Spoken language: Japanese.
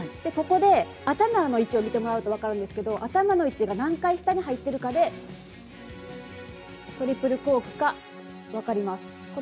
ここで頭の位置を見てもらうと分かるんですけれども頭の位置が何回下に入っているかでトリプルコークか分かります。